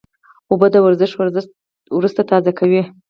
اوبه د ورزش وروسته تازه کوي